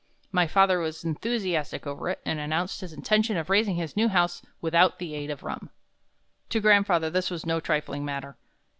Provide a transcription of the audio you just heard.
My father was enthusiastic over it, and announced his intention of raising his new house without the aid of rum. To grandfather this was no trifling matter.